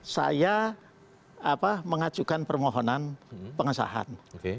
saya mengajukan permohonan pengesahan